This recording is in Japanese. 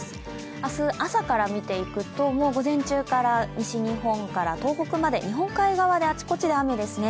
明日、朝から見ていくと西日本から東北まで日本海側であちこちで雨ですね。